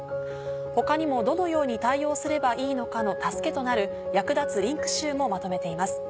他にもどのように対応すればいいのかの助けとなる役立つリンク集もまとめています。